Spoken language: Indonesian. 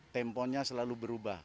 temponya selalu berubah